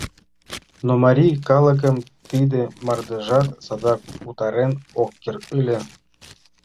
— Но марий калыкым тиде мардежат садак утарен ок керт ыле.